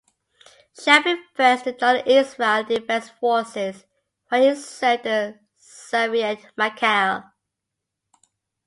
Shavit first joined the Israel Defense Forces, where he served in the Sayeret Matkal.